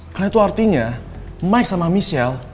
karena itu artinya mike sama michelle